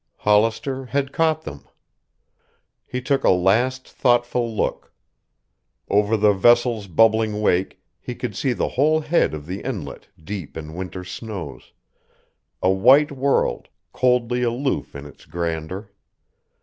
Hollister had caught them. He took a last, thoughtful look. Over the vessel's bubbling wake he could see the whole head of the Inlet deep in winter snows, a white world, coldly aloof in its grandeur.